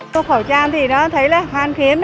câu khẩu trang thì nó thấy là hoan khiếm